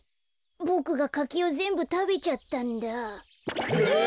ボクがかきをぜんぶたべちゃったんだ。え！